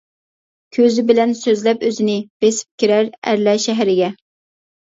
كۆزى بىلەن سۆزلەپ ئۆزىنى، بېسىپ كىرەر ئەرلەر شەھىرىگە.